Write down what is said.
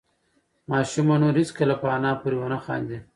ماشوم به نور هېڅکله په انا پورې ونه خاندي.